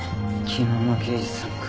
昨日の刑事さんか。